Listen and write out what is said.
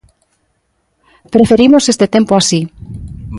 Preferimos este tempo así.